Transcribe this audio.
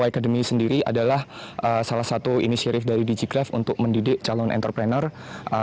jadi diy academy sendiri adalah salah satu ini serj dari digicraft untuk mendidik calon entrepreneurship